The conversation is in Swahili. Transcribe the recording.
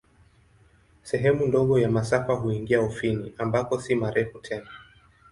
Sehemu ndogo ya masafa huingia Ufini, ambako si marefu tena.